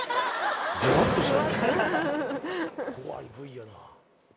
怖いＶやな。